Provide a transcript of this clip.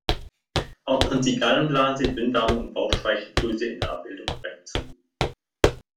Ordnen Sie Gallenblase, Dünndarm und Bauchspeicheldrüse in der Abbildung korrekt zu!